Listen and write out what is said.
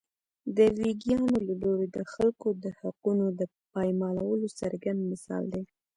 د ویګیانو له لوري د خلکو د حقونو د پایمالولو څرګند مثال دی.